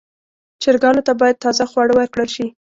چرګانو ته باید تازه خواړه ورکړل شي.